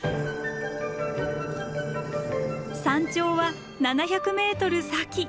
山頂は７００ｍ先。